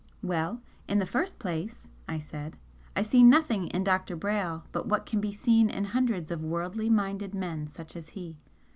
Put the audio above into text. "Well, in the first place," I said "I see nothing in Dr. Brayle but what can be seen in hundreds of worldly minded men such as he.